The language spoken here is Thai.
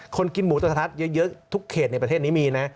คนกินหมูตัวกระทัดเยอะทุกเขตในประเทศนี้มีนะ